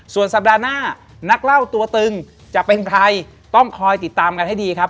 ส่วนสัปดาห์หน้านักเล่าตัวตึงจะเป็นใครต้องคอยติดตามกันให้ดีครับ